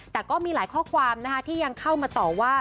แต่ก็มีหลายข้อความที่ยังเข้ามาต่อว่า